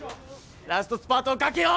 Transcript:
ラストスパートかけよう！